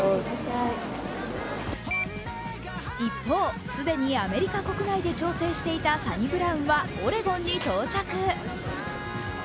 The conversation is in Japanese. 一方、既にアメリカ国内で調整していたサニブラウンはオレゴンに到着。